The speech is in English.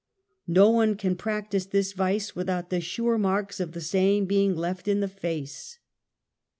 one can practice this vice without the sure marks of the same being left in the face.